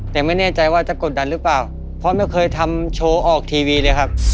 แต่ไม่แน่ใจว่าจะกดดันหรือเปล่าเพราะไม่เคยทำโชว์ออกทีวีเลยครับ